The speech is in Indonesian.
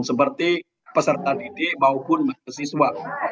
seperti peserta didik maupun mahasiswa